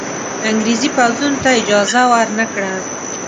انګرېزي پوځونو ته اجازه ورنه کړه.